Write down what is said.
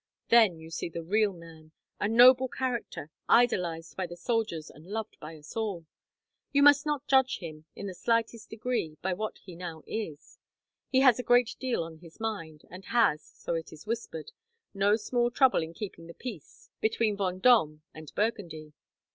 Then you see the real man; a noble character, idolized by the soldiers and loved by us all. You must not judge him, in the slightest degree, by what he now is. He has a great deal on his mind, and has, so it is whispered, no small trouble in keeping the peace between Vendome and Burgundy.